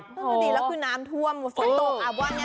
ประดีละคือน้ำทวมแสดงตกอาวบ้านไง